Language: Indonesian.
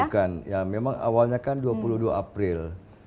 bukan ya memang awalnya kan dua puluh dua april